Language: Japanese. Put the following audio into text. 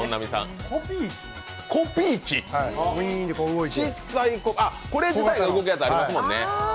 コピー機、ウイーンと動いてこれ自体が動くやつありますもんね。